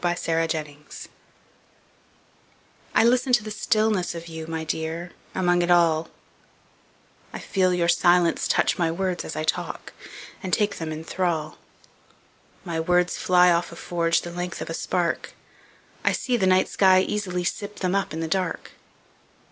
Listening I LISTEN to the stillness of you, My dear, among it all;I feel your silence touch my words as I talk, And take them in thrall.My words fly off a forgeThe length of a spark;I see the night sky easily sip themUp in the dark.